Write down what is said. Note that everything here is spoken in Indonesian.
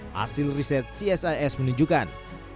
hasil riset csis menunjukkan